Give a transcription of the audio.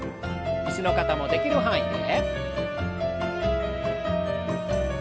椅子の方もできる範囲で。